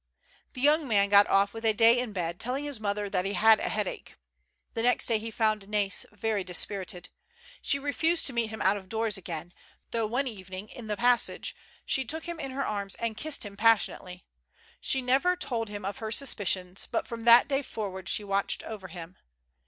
Tne young man got off with a day in bed, telling his mother that he had a headache. The next day he found Nais very dispirited. She refused to meet him out of doors again, though one evening, in the passage, she, 140 MURDEROUS ATTEMITS. took him in her arms and kissed him passionately. She never told him of her suspicions, but from that day for ward she watched over him.